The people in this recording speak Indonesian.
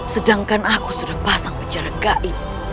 sedangkan aku sudah pasang penjara gaib